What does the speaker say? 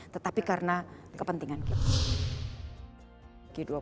tetapi karena kepentingan kita